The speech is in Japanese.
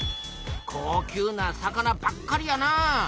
高級な魚ばっかりやな。